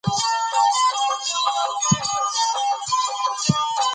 چې ټول دې پرې موافق شي.